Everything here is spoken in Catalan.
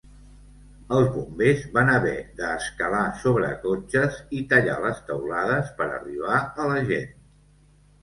Els bombers van haver de escalar sobre cotxes i tallar les teulades per arribar a la gent.